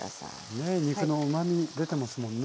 ねえ肉のうまみ出てますもんね。